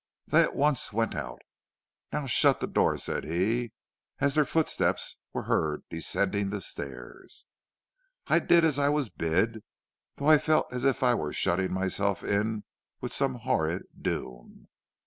They at once went out. 'Now shut the door,' said he, as their footsteps were heard descending the stairs. "I did as I was bid, though I felt as if I were shutting myself in with some horrid doom.